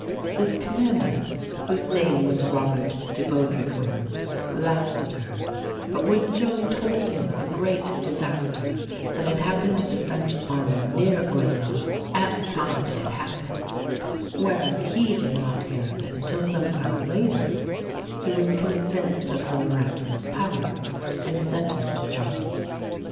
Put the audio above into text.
This commander, whose name was Robert de Baudricourt (Bó dree koor), laughed at her; but when Joan told him of a great disaster that had happened to the French army near Orléans at the time that it happened, whereas he did not hear of it until sometime later, he was convinced of her miraculous power, and sent her to Charles.